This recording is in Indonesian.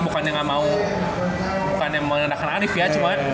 bukannya gak mau bukannya mengandalkan arief ya